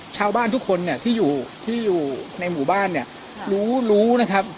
ชาวบ้านทุกคนเนี่ยที่อยู่ที่อยู่ในหมู่บ้านเนี่ยรู้รู้นะครับ